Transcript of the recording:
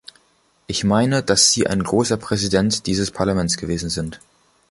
Ich meine, dass Sie ein großer Präsident dieses Parlaments gewesen sind.